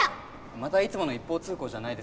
またいつもの一方通行じゃないですよね？